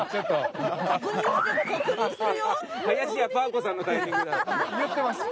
林家パー子さんのタイミングだよ。